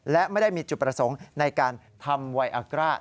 และไม่ได้มีจุดประสงค์ในการทำไวอากร่า